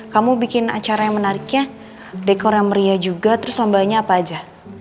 kamu bikin acara yang menariknya dekor yang meriah juga terus lombanya apa aja